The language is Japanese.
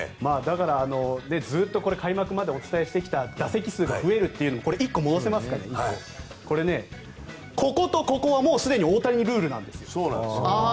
ずっと開幕までお伝えしてきた打席数が増えるというのもこれ、こことここはもうすでに大谷ルールなんです。